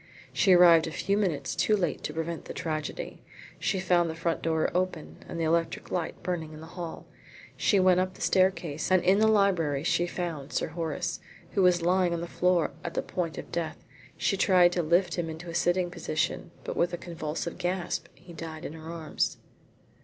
She arrived a few minutes too late to prevent the tragedy. She found the front door open and the electric light burning in the hall. She went up the staircase and in the library she found Sir Horace, who was lying on the floor at the point of death. She tried to lift him to a sitting position, but with a convulsive gasp he died in her arms.